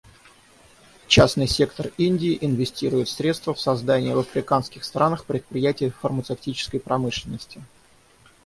Частный сектор Индии инвестирует средства в создание в африканских странах предприятий фармацевтической промышленности.